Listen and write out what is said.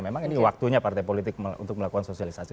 memang ini waktunya partai politik untuk melakukan sosialisasi